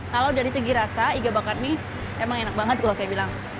kalau dari segi rasa iga bakar mie emang enak banget kalau saya bilang